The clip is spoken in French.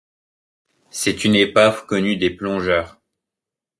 C'est une épave connue des plongeurs.